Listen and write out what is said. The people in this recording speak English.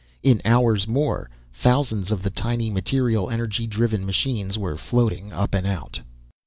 In hours more, thousands of the tiny, material energy driven machines were floating up and out.